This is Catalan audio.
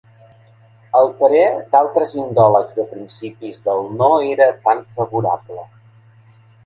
El parer d'altres indòlegs de principis del no era tan favorable.